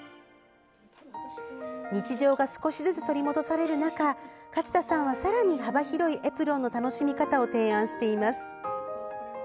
日常が少しずつ取り戻される中勝田さんはさらに幅広いエプロンの楽しみ方を提案しています。